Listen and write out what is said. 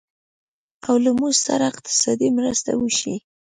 او له موږ سره اقتصادي مرستې وشي